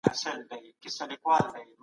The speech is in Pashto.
په څېړنه کي د معلوماتو اعتبار له امله مهم دی.